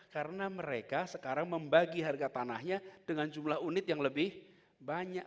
karena mereka sekarang membagi harga tanahnya dengan jumlah unit yang lebih banyak